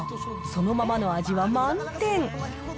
そのままの味は満点。